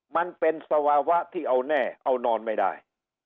มันเป็นสวาวะที่เอาแน่เอานอนไม่ได้